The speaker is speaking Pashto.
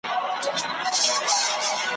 تر بل ډنډ پوري مي ځان سوای رسولای ,